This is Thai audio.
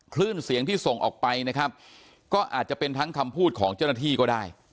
คลื่นเสียงที่ส่งออกไปนะครับก็อาจจะเป็นทั้งคำพูดของเจ้าหน้าที่ก็ได้